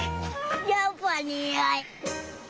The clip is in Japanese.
やっぱにがい。